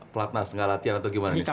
platna sengal latihan atau gimana nih setelah